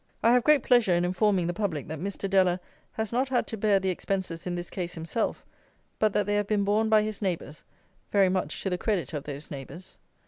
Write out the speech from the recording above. I have great pleasure in informing the public that Mr. Deller has not had to bear the expenses in this case himself; but that they have been borne by his neighbours, very much to the credit of those neighbours.